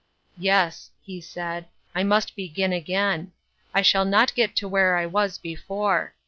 " Yes," he said, " I must begin again. I shall not get to where I was before.